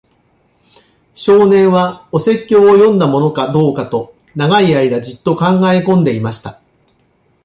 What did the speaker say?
少年は、お説教を読んだものかどうかと、長い間じっと考えこんでいました。